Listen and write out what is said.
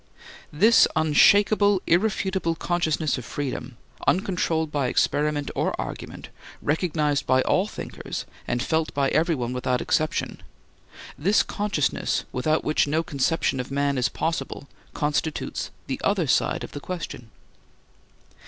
This unshakable, irrefutable consciousness of freedom, uncontrolled by experiment or argument, recognized by all thinkers and felt by everyone without exception, this consciousness without which no conception of man is possible constitutes the other side of the question.